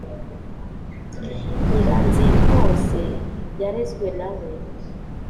Nyiranzitwose yarezwe nawe,